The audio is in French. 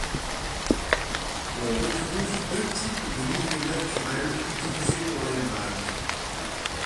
On retrouve deux types de milieux naturels utilisés pour l'élevage.